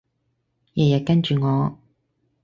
日日跟住我